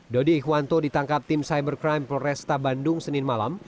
dodi ikhwanto ditangkap tim cybercrime polresta bandung senin malam